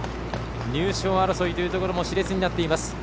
入賞争いというところもしれつになっています。